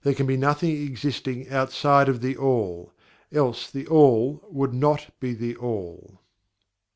There can be nothing existing outside of THE ALL, else THE ALL would not be THE ALL.